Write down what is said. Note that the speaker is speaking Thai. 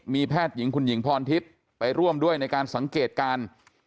มีแพทย์หญิงคุณหญิงพรทิพย์ไปร่วมด้วยในการสังเกตการ